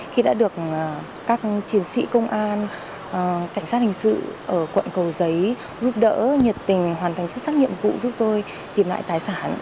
khi đã được các chiến sĩ công an cảnh sát hình sự ở quận cầu giấy giúp đỡ nhiệt tình hoàn thành xuất sắc nhiệm vụ giúp tôi tìm lại tài sản